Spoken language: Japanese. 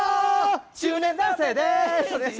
中年男性です！